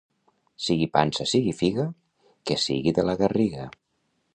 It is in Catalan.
Sigui pansa, sigui figa, que sigui de la Garriga.